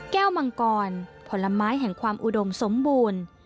มังกรผลไม้แห่งความอุดมสมบูรณ์